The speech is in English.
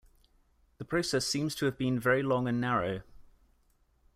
The process seems to have been very long and narrow.